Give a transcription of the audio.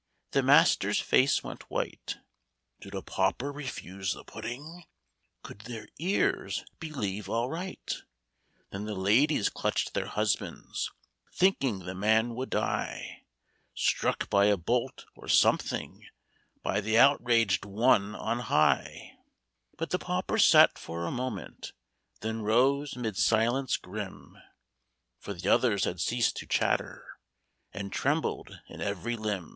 The master's face went white ;" Did a pauper refuse their pudding ?' Could their ears believe aright ?" Then the ladies clutched their husbands Thinking the man would die. Struck by a bolt, or something, By the outraged One on high. But the pauper sat for a moment, Then rose 'mid a silence grim, For the others had ceased to chatter And trembled in every limb.